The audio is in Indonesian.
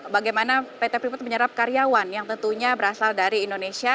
bagaimana pt freeport menyerap karyawan yang tentunya berasal dari indonesia